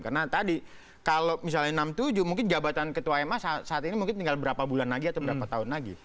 karena tadi kalau misalnya enam puluh tujuh mungkin jabatan ketua ma saat ini mungkin tinggal berapa bulan lagi atau berapa tahun lagi